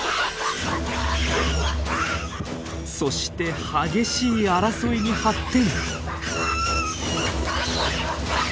そして激しい争いに発展。